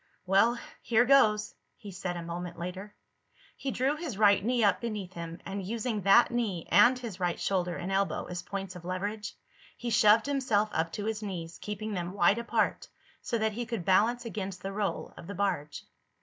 "Well, here goes," he said a moment later. He drew his right knee up beneath him and, using that knee and his right shoulder and elbow as points of leverage, he shoved himself up to his knees, keeping them wide apart so that he could balance against the roll of the barge.